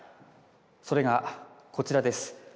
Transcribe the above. それがこちらです。